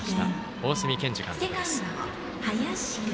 大角健二監督です。